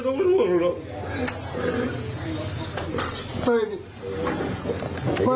อดาห์ผัวมึงดีกว่า